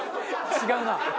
違うな。